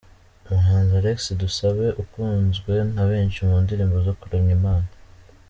Umuhanzi Alex Dusabe ukunzwe na benshi mu ndirimbo zo kuramya Imana.